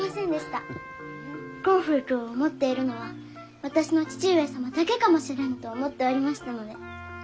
コンフェイトを持っているのは私の父上様だけかもしれぬと思っておりましたので。